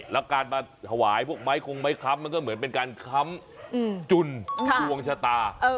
แล้วการมาหวายพวกมั้ยคงไม่ค้ำเหมือนเป็นค้ำจุ้นวงชาตา